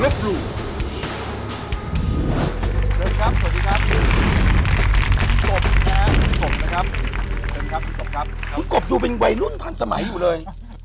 คุณกบดูเป็นวัยรุ่นพันธุ์สมัยอยู่เลย